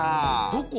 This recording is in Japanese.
どこ？